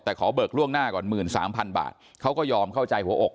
แต่ขอเบิกล่วงหน้าก่อน๑๓๐๐๐บาทเขาก็ยอมเข้าใจหัวอก